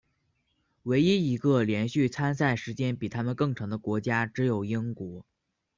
唯一一个连续参赛时间比他们更长的国家只有英国。